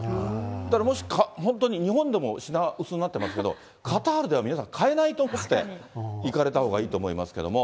だからもし本当に、日本でも品薄になってますけど、カタールでは皆さん買えないと思って、行かれたほうがいいと思いますけれども。